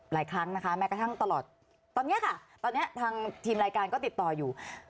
หลายครั้งนะคะแม้กระทั่งตลอดตอนนี้ค่ะตอนนี้ทางทีมรายการก็ติดต่ออยู่